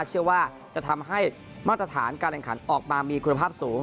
เชื่อว่าจะทำให้มาตรฐานการแข่งขันออกมามีคุณภาพสูง